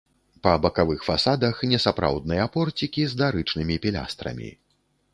Па бакавых фасадах несапраўдныя порцікі з дарычнымі пілястрамі.